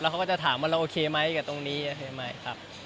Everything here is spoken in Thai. เขาก็จะถามว่าเราโอเคไหมกับตรงนี้โอเคไหมครับ